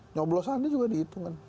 nyoblos sandi juga dihitung kan